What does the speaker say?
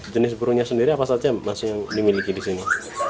jenis burungnya sendiri apa saja mas yang dimiliki di sini